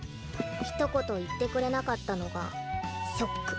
ひと言言ってくれなかったのがショック。